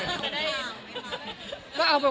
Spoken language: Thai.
จริงคิดว่าไหมครับ